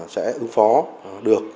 sẽ tăng cường